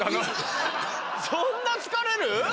そんな疲れる？